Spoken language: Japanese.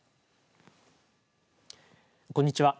こんにちは。